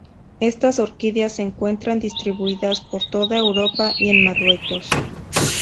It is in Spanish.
Estas orquídeas se encuentran distribuidas por toda Europa y en Marruecos.